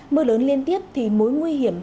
mưa lớn liên tiếp thì mối nguy hiểm hàng